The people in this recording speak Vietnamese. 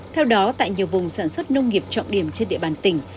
theo đó tại nhiều vùng sản xuất nông nghiệp trọng điểm trên địa bàn tỉnh